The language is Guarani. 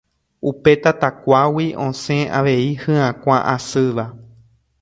Upe tatakuágui osẽ avei hyakuã asýva